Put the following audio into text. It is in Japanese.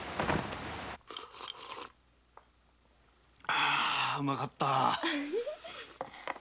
あうまかった。